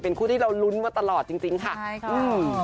เป็นคู่ที่เรารุ้นมาตลอดจริงค่ะ